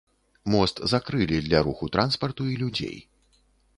Мост закрылі для руху транспарту і людзей.